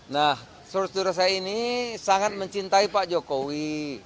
nah saudara saudara saya ini sangat mencintai pak jokowi